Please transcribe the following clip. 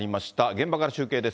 現場から中継です。